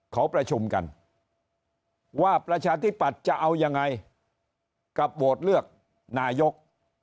เขาประชุมกันว่าประชาธิปัตย์จะเอายังไงกับโหวตเลือกนายก